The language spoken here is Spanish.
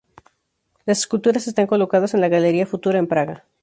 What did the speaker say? Las esculturas están colocadas en la galería Futura en Praga.